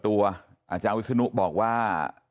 อาจารย์วิศนุบอกว่า